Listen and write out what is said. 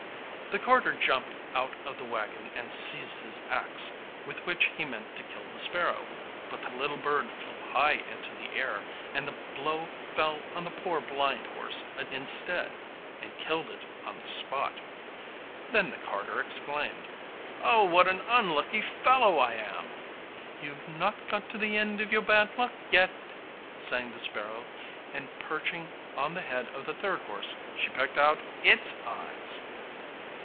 The carter jumped out of the waggon and seized his axe, with which he meant to kill the sparrow; but the little bird flew high into the air, and the blow fell on the poor blind horse instead, and killed it on the spot. Then the carter exclaimed: 'Oh! what an unlucky fellow I am!' 'You've not got to the end of your bad luck yet,' sang the sparrow; and, perching on the head of the third horse, she pecked out its eyes.